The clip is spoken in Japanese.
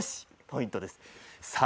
ポイントです。